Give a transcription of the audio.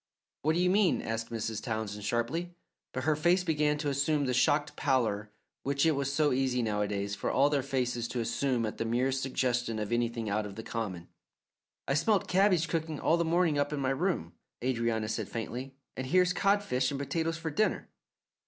"What do you mean?" asked Mrs. Townsend sharply, but her own face began to assume the shocked pallour which it was so easy nowadays for all their faces to assume at the merest suggestion of anything out of the common. "I smelt cabbage cooking all the morning up in my room," Adrianna said faintly, "and here's codfish and potatoes for dinner."